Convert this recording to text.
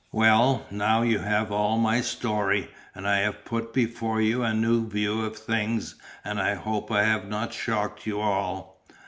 "Well, now you have all my story and I have put before you a new view of things and I hope I have not shocked you all.